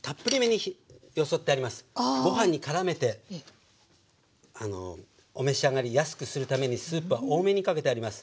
ご飯にからめてお召し上がりやすくするためにスープは多めにかけてあります。